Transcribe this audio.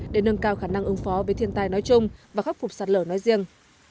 để nâng cao khả năng ứng phó với thiên tai nói chung và khắc phục sạt lở nói riêng